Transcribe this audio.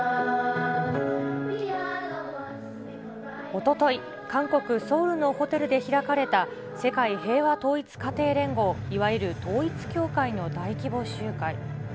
おととい、韓国・ソウルのホテルで開かれた、世界平和統一家庭連合、いわゆる統一教会の大規模集会。